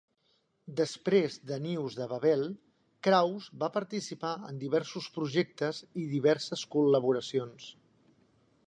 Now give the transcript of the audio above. Després de News de Babel, Krause va participar en diversos projectes i diverses col·laboracions.